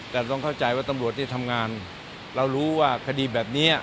แต่ต้องเข้าใจว่าตำรวจที่ทำงานเรารู้ว่าคดีแบบนี้